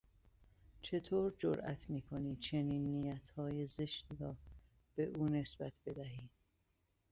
چطور جرئت میکنی چنین نیتهای زشتی را به او نسبت بدهی؟